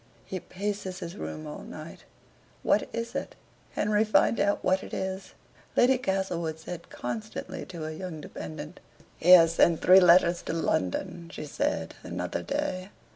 "He paces his room all night; what is it? Henry, find out what it is," Lady Castlewood said constantly to her young dependant. "He has sent three letters to London," she said, another day.